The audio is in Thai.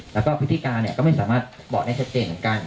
แล้วก็พฤติการก็ไม่สามารถบอกได้ชัดเจนเหมือนกัน